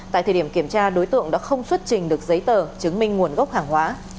tại thời điểm kiểm tra đối tượng đã không xuất trình được giấy tờ chứng minh nguồn gốc hàng hóa